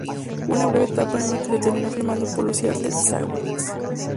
Fue una breve etapa en la que terminó firmando por los Seattle Seahawks.